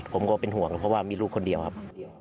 ผมก็เป็นห่วงเพราะว่ามีลูกคนเดียวครับ